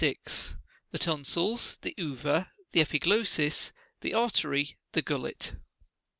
THE TONSILS ; THE UVA ; THE EPIGLOSSIS ; THE ARTERY ; THE GULLET.